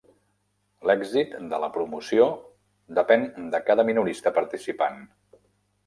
L'èxit de la promoció depèn de cada minorista participant.